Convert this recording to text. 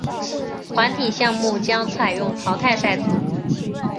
团体项目将采用淘汰赛制。